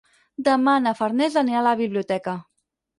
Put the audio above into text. Demà na Farners anirà a la biblioteca.